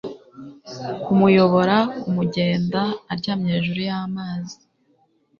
kumuyobora, kumugenda aryamye hejuru y'amazi